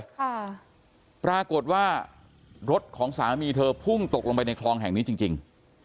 ค่ะปรากฏว่ารถของสามีเธอพุ่งตกลงไปในคลองแห่งนี้จริงจริง